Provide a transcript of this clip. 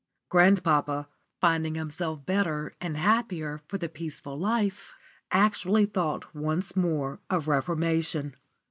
Grandpapa, finding himself better and happier for the peaceful life, actually thought once more of reformation.